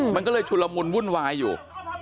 มันก็เลยชุลมุนวุ่นวายอยู่